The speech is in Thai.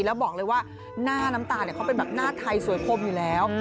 หน้าน้ำตาลก็เป็นหน้าไทยสวยพรมอยู่แล้ว